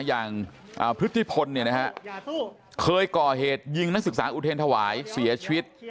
ทั้งพฤติพลเนี่ยนะฮะเคยก่อเหตุยิงนักศึกษาอุทเทรนถวายเสียชีวิต